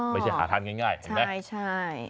ไม่ใช่หาทานง่ายใช่